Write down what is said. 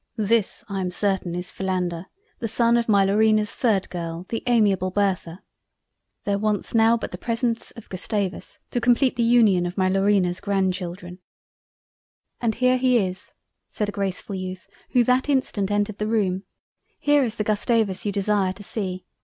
This I am certain is Philander the son of my Laurina's 3d girl the amiable Bertha; there wants now but the presence of Gustavus to compleat the Union of my Laurina's Grand Children." "And here he is; (said a Gracefull Youth who that instant entered the room) here is the Gustavus you desire to see.